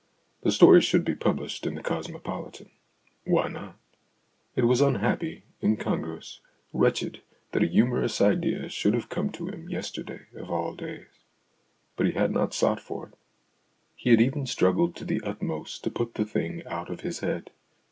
The story should be published in The Cosmopolitan. Why not? It was unhappy, in congruous, wretched that a humorous idea should have come to him yesterday of all days. But he had not sought for it. He had even struggled to the utmost to put the thing out of his head.